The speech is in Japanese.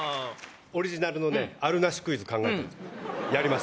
オリジナルのね、あるなしクイズを考えたんですけど、やります？